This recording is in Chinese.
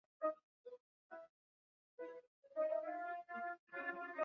它曾被广泛应用于磁带制作所需的乳浊液中。